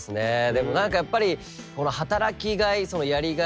でも何かやっぱり働きがいやりがい